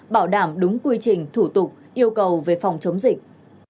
bảo đảm đúng quy trình thủ tục yêu cầu về phòng chống dịch